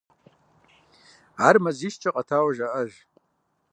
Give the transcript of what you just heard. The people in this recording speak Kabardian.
Ар мазищкӏэ къэтауэ жаӏэж.